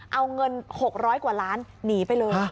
เอาเงิน๖๐๐กว่าล้านหนีไปเลย